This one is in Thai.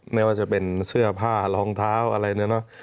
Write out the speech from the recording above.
ไม่ว่าจะเป็นเสื้อผ้ารองเท้าอะไรอย่างนี้นะครับ